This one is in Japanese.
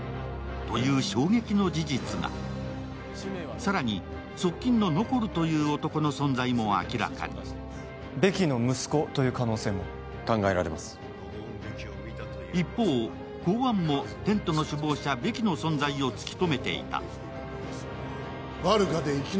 更に側近のノコルという男の存在も明らかに一方、公安もテントの首謀者・ベキの存在を突き止めていた。